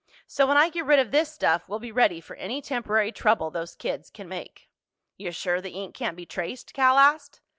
So when I get rid of this stuff we'll be ready for any temporary trouble those kids can make." "You're sure the ink can't be traced?" Cal asked.